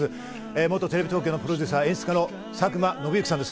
元テレビ東京のプロデューサーで演出家の佐久間宣行さんです。